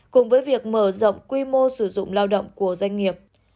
cùng với việc mở rộng quy mô sử dụng lao động của doanh nghiệp